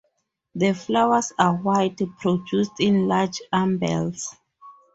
The flowers are white, produced in large umbels.